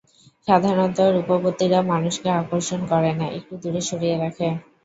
সাধারণত রূপবতীরা মানুষকে আকর্ষণ করে না- একটু দূরে সরিয়ে রাখে।